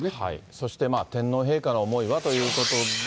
そして、天皇陛下の思いはということで。